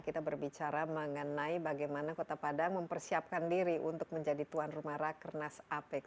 kita berbicara mengenai bagaimana kota padang mempersiapkan diri untuk menjadi tuan rumah rakernas apec